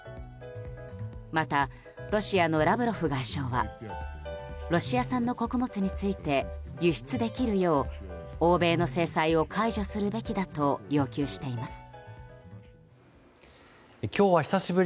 またロシアのラブロフ外相はロシア産の穀物について輸出できるよう欧米の制裁を解除するべきだと要求しています。